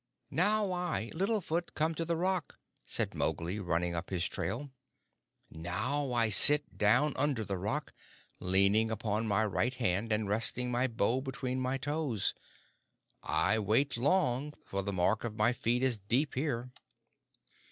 "Now, I, Little Foot, come to the rock," said Mowgli, running up his trail. "Now, I sit down under the rock, leaning upon my right hand, and resting my bow between my toes. I wait long, for the mark of my feet is deep here."